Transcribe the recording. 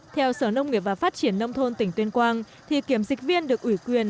theo sở nông nghiệp và phát triển nông thôn tỉnh tuyên quang thì kiểm dịch viên được ủy quyền